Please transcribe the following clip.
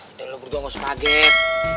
udah lo berdua gak usah panggil